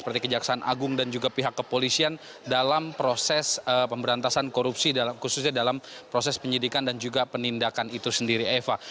seperti kejaksaan agung dan juga pihak kepolisian dalam proses pemberantasan korupsi khususnya dalam proses penyidikan dan juga penindakan itu sendiri eva